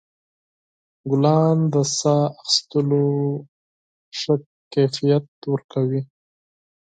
ګلان د ساه اخیستلو کیفیت ښه کوي.